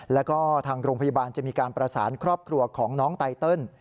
แล้วก็ทางโรงพยาบาลจะมีการประสานครอบครัวของน้องไตเติล